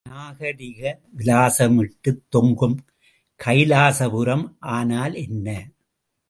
நாகரிக விலாசமிட்டுத் தொங்கும் கைலாசபுரம் ஆனால் என்ன?